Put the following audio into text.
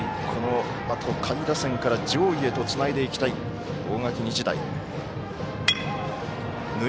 このあと、下位打線から上位へとつないでいきたい大垣日大。